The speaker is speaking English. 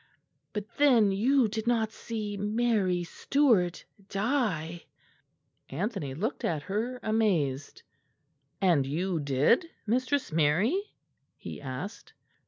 But then you did not see Mary Stuart die." Anthony looked at her, amazed. "And you did, Mistress Mary?" he asked.